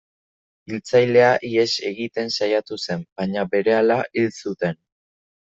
Hiltzailea ihes egiten saiatu zen, baina berehala hil zuten.